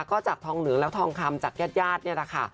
ก็จากทองเหลืองและทองคำจากญาติญาตินี่แหละค่ะ